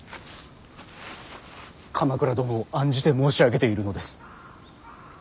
鎌倉殿を案じて申し上げているのです。